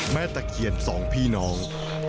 ตะเคียนสองพี่น้อง